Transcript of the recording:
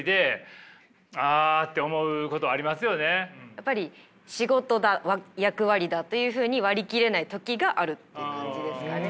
やっぱり仕事だ役割だというふうに割り切れない時があるっていう感じですかね。